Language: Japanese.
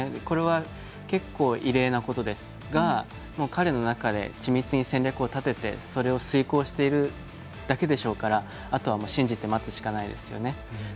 これは結構、異例なことですが彼の中で、緻密に戦略を立ててそれを遂行しているだけでしょうからあとは信じて待つしかないですよね。